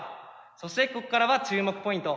そしてここからは注目ポイント。